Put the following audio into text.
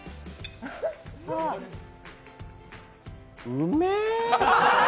うめえ！